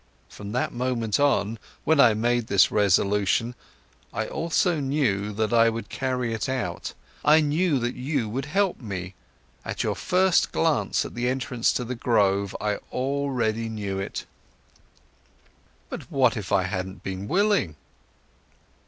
From that moment on when I had made this resolution, I also knew that I would carry it out. I knew that you would help me, at your first glance at the entrance of the grove I already knew it." "But what if I hadn't been willing?"